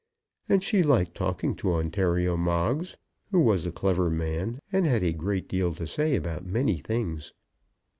And she liked talking to Ontario Moggs, who was a clever man and had a great deal to say about many things.